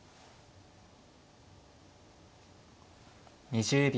２０秒。